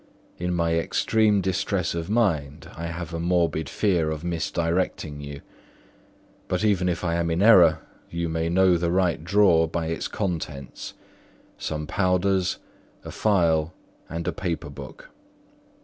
In my extreme distress of mind, I have a morbid fear of misdirecting you; but even if I am in error, you may know the right drawer by its contents: some powders, a phial and a paper book.